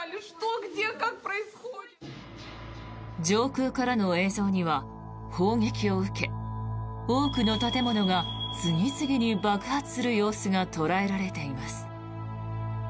上空からの映像には砲撃を受け多くの建物が次々に爆発する様子が捉えられています。